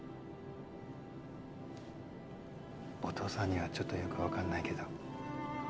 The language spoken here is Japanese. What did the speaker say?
お父さんにはちょっとよく分かんないけど。